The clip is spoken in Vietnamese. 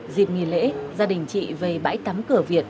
dịp nghỉ lễ gia đình chị về bãi tắm cửa việt